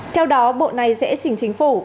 theo đó bộ này sẽ chỉnh chính phủ